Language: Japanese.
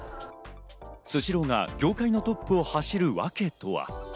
スシローが業界のトップを走るわけとは？